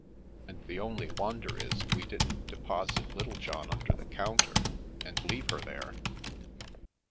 And the only won der is we didn't deposit Littlejohn under the counter and leave her there."